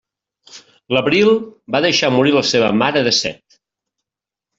L'abril va deixar morir la seva mare de set.